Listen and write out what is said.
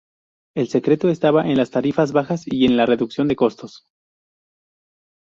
El secreto estaba en las tarifas bajas, y en la reducción de costos.